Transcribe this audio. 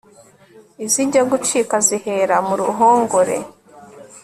izijya gucika zihera muruhongore